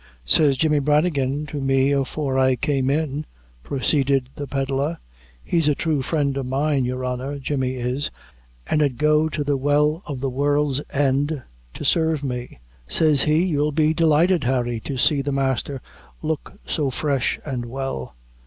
"Says Jemmy Branigan to me afore I came in," proceeded the pedlar, "he's a thrue friend o' mine, your honor, Jemmy is, an' 'ud go to the well o' the world's end to sarve me says he, you'll be delighted, Harry, to see the masther look so fresh an' well."